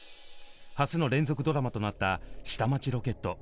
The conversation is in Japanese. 初の連続ドラマとなった「下町ロケット」。